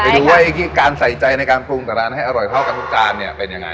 ดูว่าการใส่ใจในการปรุงแต่ร้านให้อร่อยเท่ากันทุกจานเนี่ยเป็นยังไง